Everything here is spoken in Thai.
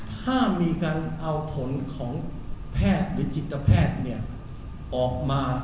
ถ้ามีการเอาผลของแพทย์หรือจิตแพทย์ออกมา